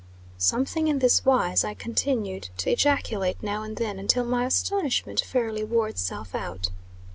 Something in this wise I continued to ejaculate, now and then, until my astonishment fairly wore itself out.